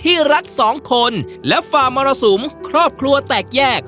ที่รักสองคนและฝ่ามรสุมครอบครัวแตกแยก